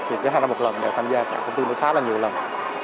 thì cái hai năm một lần để tham gia tại công ty này khá là nhiều lần